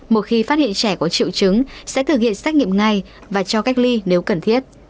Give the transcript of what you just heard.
một khi phát hiện trẻ có triệu chứng sẽ thực hiện xét nghiệm ngay và cho cách ly nếu cần thiết